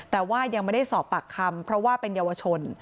แต่ว่ายังไม่ได้สอบปากคำเพราะว่าเป็นเยาวชน